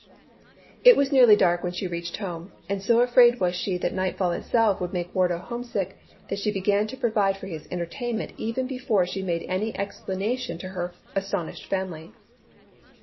It was nearly dark when she reached home, and so afraid was she that the nightfall itself would make Wardo homesick, that she began to provide for his entertainment even before she made any explanation to her astonished family.